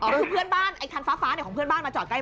คือเพื่อนบ้านไอ้คันฟ้าของเพื่อนบ้านมาจอดใกล้